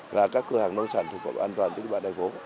và các cửa hàng nông sản thực phẩm an toàn tích bạc đại phố